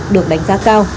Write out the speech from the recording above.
được đánh giá cao